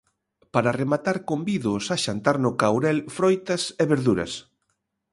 Para rematar, convídoos a xantar no Caurel froitas e verduras.